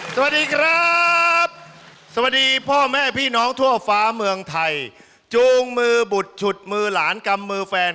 สวัสดีครับสวัสดีพ่อแม่พี่น้องทั่วฟ้าเมืองไทยจูงมือบุตรฉุดมือหลานกำมือแฟน